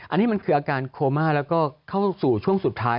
อันนี้มันคืออาการโคม่าแล้วก็เข้าสู่ช่วงสุดท้าย